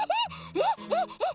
えっえっえっ？